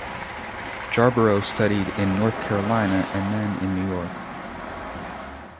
Jarboro studied in North Carolina and then in New York.